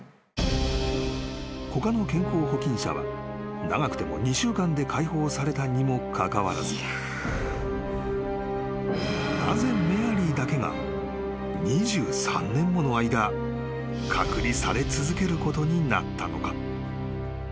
［他の健康保菌者は長くても２週間で解放されたにもかかわらずなぜメアリーだけが２３年もの間隔離され続けることになったのか？］